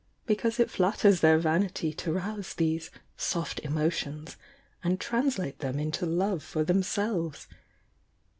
"Because it flat ters their vanity to rouse these 'soft emotions' and translate them into love for themselves.